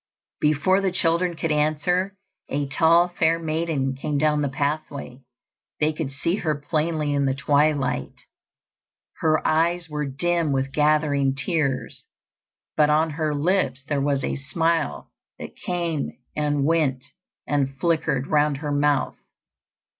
Before the children could answer, a tall fair maiden came down the pathway. They could see her plainly in the twilight. Her eyes were dim with gathering tears, but on her lips there was a smile that came and went and flickered round her mouth.